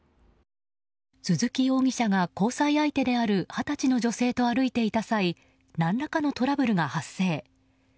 鈴木容疑者が交際相手である二十歳の女性と歩いていた際何らかのトラブルが発生。